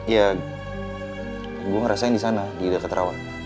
ya gua ngerasain disana di deket rawa